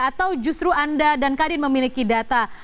atau justru anda dan kadin memiliki data